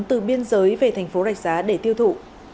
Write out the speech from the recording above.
từ biên giới về thành phố rạch giá để tiêu thụ